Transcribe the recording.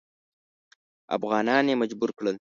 افغانان یې مجبور کړل.